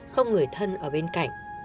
không người thân ở bên cạnh